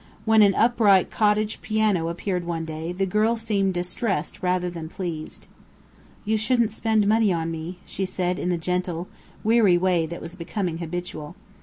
When an upright cottage piano appeared one day, the girl seemed distressed rather than pleased. "You shouldn't spend money on me," she said in the gentle, weary way that was becoming habitual.